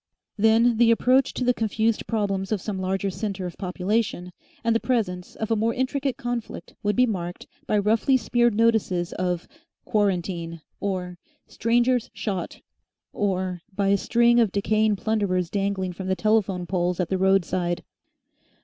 Then the approach to the confused problems of some larger centre of population and the presence of a more intricate conflict would be marked by roughly smeared notices of "Quarantine" or "Strangers Shot," or by a string of decaying plunderers dangling from the telephone poles at the roadside.